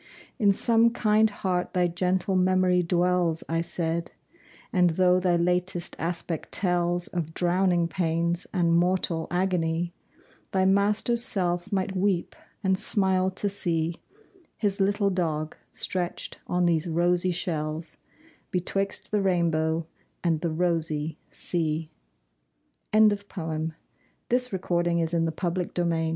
In some kind heart thy gentle memory dwells, I said, and, though thy latest aspect tells Of drowning pains and mortal agony, Thy master's self might weep and smile to see His little dog stretched on these rosy shells, Betwixt the rainbow and the rosy sea. CHARLES TENNYSON TURNER. PART II THE HUMAN RELATIONSHIP _"A man's dog stands b